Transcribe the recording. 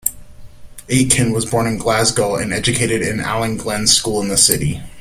Aitken was born in Glasgow and educated at Allan Glen's School in the city.